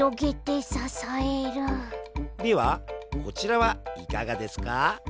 ではこちらはいかがですか？